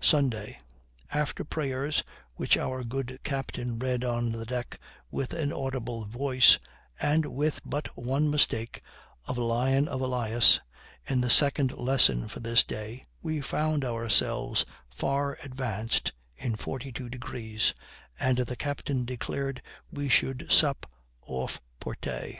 Sunday. After prayers, which our good captain read on the deck with an audible voice, and with but one mistake, of a lion for Elias, in the second lesson for this day, we found ourselves far advanced in 42 degrees, and the captain declared we should sup off Porte.